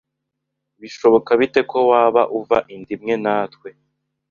«bishoboka bite ko waba uva inda imwe na twe